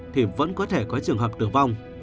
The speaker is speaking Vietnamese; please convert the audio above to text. thì vẫn có thể có trường hợp tử vong